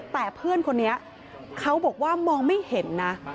แต่เพื่อนคนนี้เขาบอกว่ามองไม่เห็นนะ